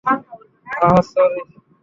আহ, sorry.